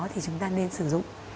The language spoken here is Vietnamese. thì chúng ta nên sử dụng